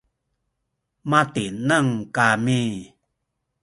matineng kami